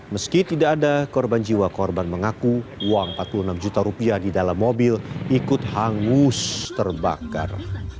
meski tidak ada korban jiwa korban mengaku uang empat puluh enam juta rupiah di dalam mobil ikut hangus terbakar